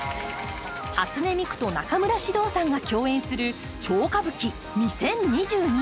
初音ミクと中村獅童さんが共演する「超歌舞伎２０２２」。